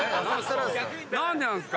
何でなんすか⁉